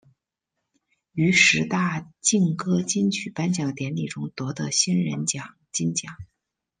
于十大劲歌金曲颁奖典礼中夺得新人奖金奖。